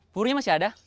burunya masih ada